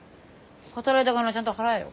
働いた金はちゃんと払えよ！